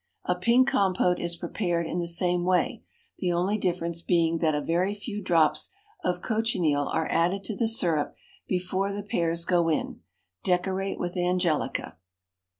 A Pink Compote is prepared in the same way, the only difference being that a very few drops of cochineal are added to the syrup before the pears go in. Decorate with angelica.